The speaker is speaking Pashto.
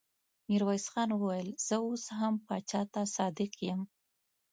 ميرويس خان وويل: زه اوس هم پاچا ته صادق يم.